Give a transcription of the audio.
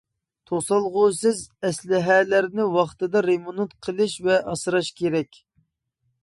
توسالغۇسىز ئەسلىھەلەرنى ۋاقتىدا رېمونت قىلىش ۋە ئاسراش كېرەك.